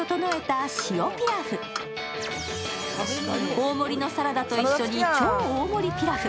大盛りのサラダと一緒に超大盛りピラフ。